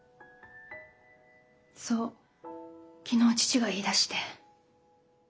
そう昨日父が言いだして。